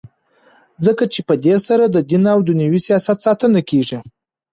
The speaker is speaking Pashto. ځکه چي په دی سره ددین او دینوي سیاست ساتنه کیږي.